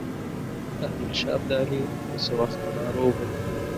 احمدشاه ابدالي له څه وخته ناروغ وو.